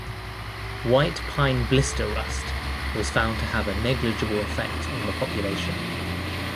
White pine blister rust was found to have a negligible effect on the population.